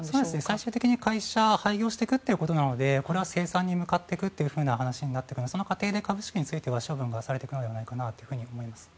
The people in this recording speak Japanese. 最終的に会社は廃業していくということなのでこれは清算に向かっていくという話になるのでその過程で株式については処分がされていくのではと思います。